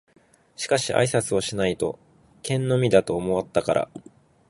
しかし挨拶をしないと険呑だと思ったから「吾輩は猫である。名前はまだない」となるべく平気を装って冷然と答えた